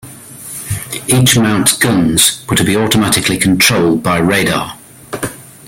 Each mount's guns were to be automatically controlled by radar.